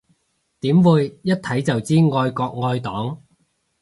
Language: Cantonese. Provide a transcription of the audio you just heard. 點會，一睇就知愛國愛黨